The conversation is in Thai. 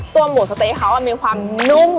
หมูสะเต๊ะเขามีความนุ่ม